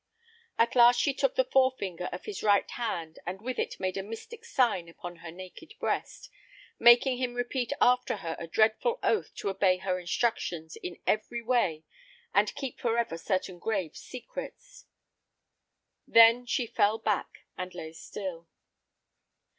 At last she took the forefinger of his right hand and with it made a mystic sign upon her naked breast, making him repeat after her a dreadful oath to obey her instructions in every way and keep forever certain grave secrets. Then she fell back and lay still.